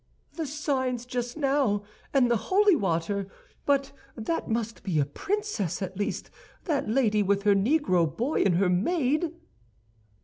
"The signs just now, and the holy water! But that must be a princess, at least—that lady with her Negro boy and her maid!"